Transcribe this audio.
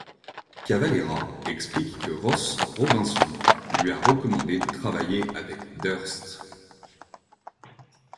Cavalera explique que Ross Robinson lui a recommandé de travailler avec Durst.